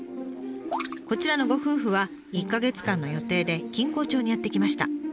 こちらのご夫婦は１か月間の予定で錦江町にやって来ました。